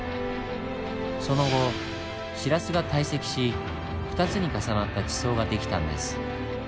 その後シラスが堆積し２つに重なった地層が出来たんです。